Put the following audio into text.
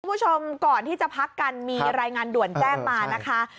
คุณผู้ชมก่อนที่จะพักกันมีรายงานด่วนแจ้งมานะคะ